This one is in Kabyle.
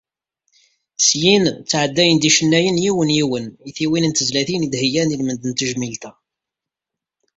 Syin, ttɛeddayen-d yicennayen yiwen yiwen i tiwin n tezlatin i d-heyyan i lmend n tejmilt-a.